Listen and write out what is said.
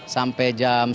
sampai jam sembilan